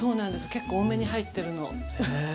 結構多めに入ってるの。ね。